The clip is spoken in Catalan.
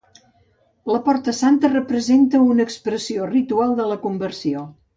La porta santa representa "una expressió ritual de la conversió".